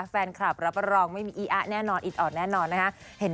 แฟนคลับรับรองไม่มีอีอะแน่นอนอิดออดแน่นอนนะคะ